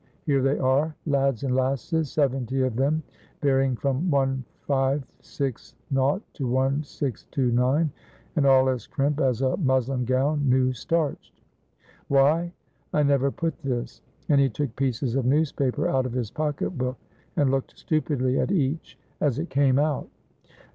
Here they are, lads and lasses, seventy of them varying from one five six naught to one six two nine, and all as crimp as a muslin gown new starched. Why? I never put this," and he took pieces of newspaper out of his pocketbook, and looked stupidly at each as it came out.